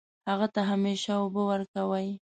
هغه ته همیشه اوبه ورکوئ